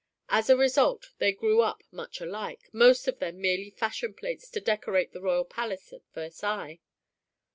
As a result they grew up much alike, most of them merely fashion plates to decorate the royal palace at Versailles.